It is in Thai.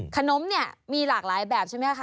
ขนมมีหลากหลายแบบใช่ไหมค่ะ